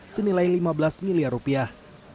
senilai lima belas miliar rupiah